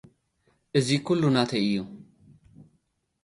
እዚ ዅሉ ናተይ እዩ።